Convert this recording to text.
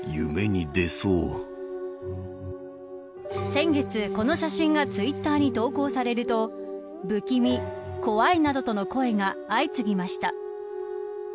先月この写真がツイッターに投稿されると不気味、怖いなどとの声が相次ぎました。